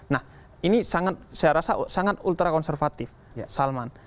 nah ini sangat saya rasa sangat ultra konservatif salman